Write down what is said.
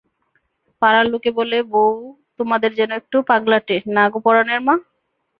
পাড়ার লোক বলে, বৌ তোমাদের যেন একটু পাগলাটে, না গো পরাণের মা?